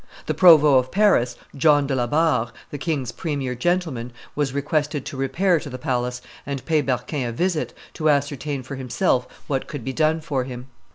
The provost of Paris, John de la Barre, the king's premier gentleman, was requested to repair to the palace and pay Berquin a visit, to ascertain from himself what could be done for him.